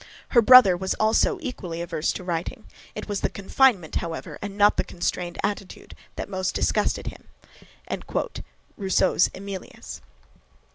Her brother was also equally averse to writing: it was the confinement, however, and not the constrained attitude, that most disgusted him." Rousseau's "Emilius.")